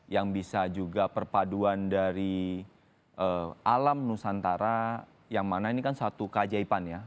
yang bisa juga perpaduan dari alam nusantara yang mana ini kan satu keajaiban ya